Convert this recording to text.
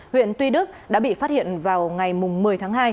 huyện tuy đức đã bị phát hiện vào ngày một mươi tháng hai